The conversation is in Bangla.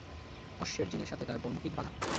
অশ্বের জিনের সাথে তার বর্মটি বাঁধা।